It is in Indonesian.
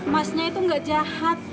masnya itu gak jahat